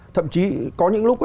thậm chí có những lúc